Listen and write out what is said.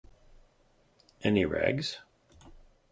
Any Rags?